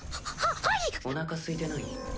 おなかすいてない？